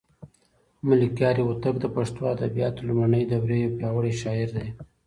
ملکیار هوتک د پښتو ادبیاتو د لومړنۍ دورې یو پیاوړی شاعر دی.